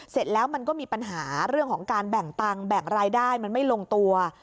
เสร็จแล้วมันก็มีปัญหาเรื่องของการแบ่งตังค์แบ่งรายได้มันไม่ลงตัว